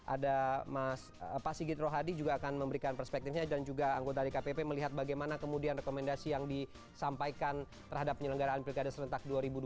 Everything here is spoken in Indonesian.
ada pak sigit rohadi juga akan memberikan perspektifnya dan juga anggota dkpp melihat bagaimana kemudian rekomendasi yang disampaikan terhadap penyelenggaraan pilkada serentak dua ribu dua puluh